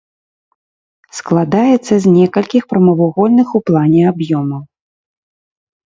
Складаецца з некалькіх прамавугольных ў плане аб'ёмаў.